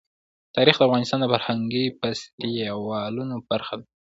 تاریخ د افغانستان د فرهنګي فستیوالونو برخه ده.